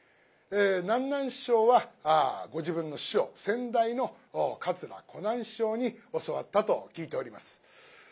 南なん師匠はご自分の師匠先代の桂小南師匠に教わったと聞いております。